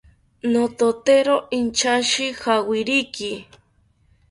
Nototero inchashi jawiriki